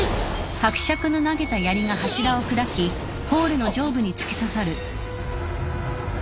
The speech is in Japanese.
あっ。